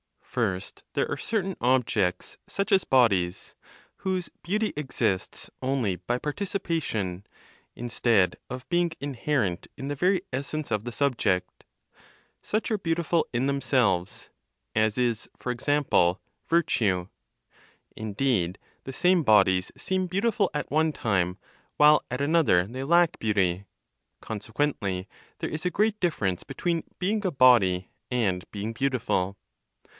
First, there are certain objects, such as bodies, whose beauty exists only by participation, instead of being inherent in the very essence of the subject. Such are beautiful in themselves, as is, for example, virtue. Indeed, the same bodies seem beautiful at one time, while at another they lack beauty; consequently, there is a great difference between being a body and being beautiful.